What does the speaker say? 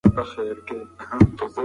O ګروپ لرونکي د معدې په تیزابیت حساس دي.